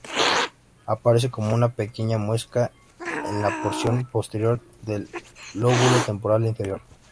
Aparece como una pequeña muesca en la porción posterior del lóbulo temporal inferior.